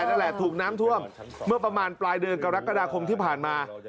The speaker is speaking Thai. นั่นแหละถูกน้ำท่วมเมื่อประมาณปลายเดือนกรกฎาคมที่ผ่านมา